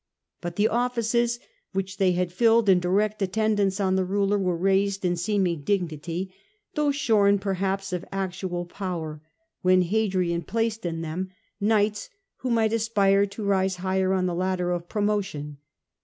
But the offices which they had filled in direct attendance on the ruler were raised in seeming dignity, though shorn perhaps of actual power, when Hadrian placed in them knights who might aspire to rise higher on the ladder of promotion.